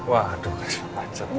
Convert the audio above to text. waduh kecelakaan macet ya